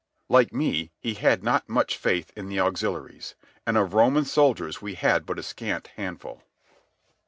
Like me, he had not too much faith in the auxiliaries; and of Roman soldiers we had but a scant handful.